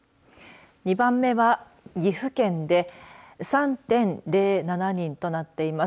２番目は岐阜県で３．０７人となっています。